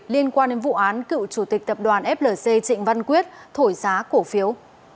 liên quan đến vụ án cựu chủ tịch tập đoàn flc trịnh văn quyết thổi giá cổ phiếu